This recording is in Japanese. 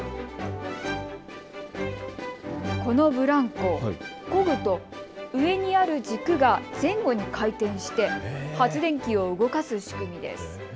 このブランコ、こぐと上にある軸が前後に回転して発電機を動かす仕組みです。